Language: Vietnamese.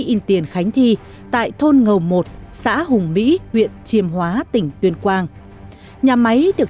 in tiền khánh thi tại thôn ngầu một xã hùng mỹ huyện chiêm hóa tỉnh tuyên quang nhà máy được